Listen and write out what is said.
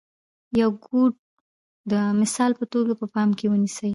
یو کوټ د مثال په توګه په پام کې ونیسئ.